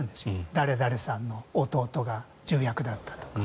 誰々さんの弟が重役だったとか。